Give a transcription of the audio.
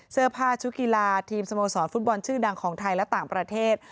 เสื้อผ้าชุดกีฬาทีมสโมสรฟุตบอลชื่อดังของไทยและต่างประเทศ